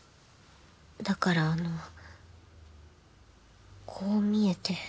だからあのこう見えて。